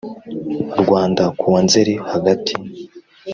Rwanda kuwa nzeri hagati